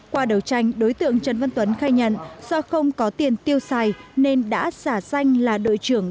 qua đấu tranh đối tượng trần văn tuấn khai nhận do không có tiền tiêu xài nên đã giả danh là đội trưởng